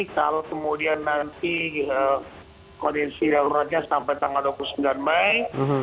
kalau kemudian nanti kondisi daruratnya sampai tanggal dua puluh sembilan mei